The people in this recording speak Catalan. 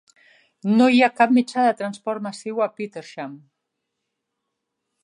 No hi ha cap mitjà de transport massiu a Petersham.